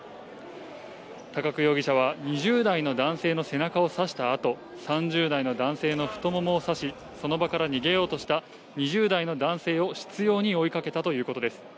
高久容疑者は２０代の男性の背中を刺したあと、３０代の男性の太ももを刺し、その場から逃げようとした２０代の男性を執ように追いかけたということです。